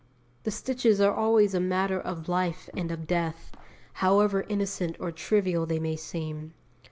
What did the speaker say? The stitches are always a matter of life and of death, however innocent or trivial they may seem.